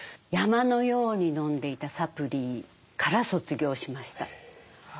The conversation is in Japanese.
山のようにのんでいたサプリから卒業しました。